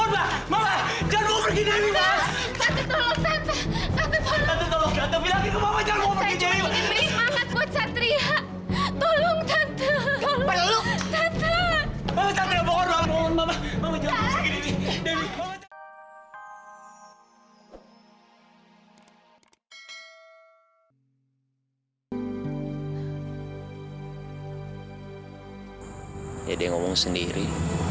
mama mama jangan begini